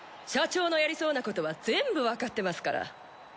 社長のやりそうなことは全部わかってますから。